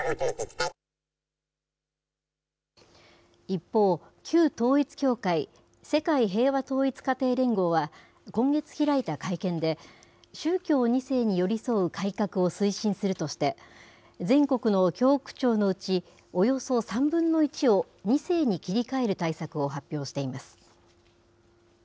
一方、旧統一教会、世界平和統一家庭連合は、今月開いた会見で、宗教２世に寄り添う改革を推進するとして、全国の教区長のうち、およそ３分の１を２世に切り替える対策を発表しています。